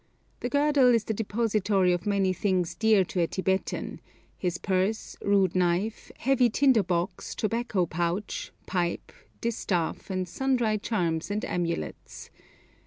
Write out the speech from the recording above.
The girdle is the depository of many things dear to a Tibetan his purse, rude knife, heavy tinder box, tobacco pouch, pipe, distaff, and sundry charms and amulets.